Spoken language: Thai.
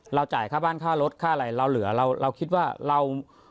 จ่ายค่าบ้านค่ารถค่าอะไรเราเหลือเราเราคิดว่าเรา